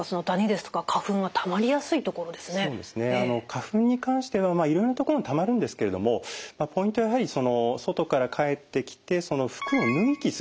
花粉に関してはいろいろな所にたまるんですけれどもポイントはやはり外から帰ってきて服を脱ぎ着する所かと思いますね。